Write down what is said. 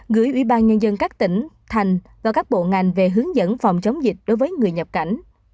gửi ủy ban nhân dân các tỉnh thành và các bộ ngành về hướng dẫn phòng chống dịch đối với người nhập cảnh